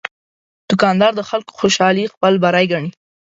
دوکاندار د خلکو خوشالي خپل بری ګڼي.